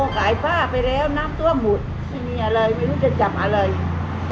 ขายผ้าไปแล้วน้ำท่วมหมดไม่มีอะไรไม่รู้จะจับอะไร